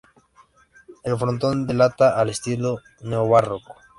El frontón, delata el estilo neobarroco.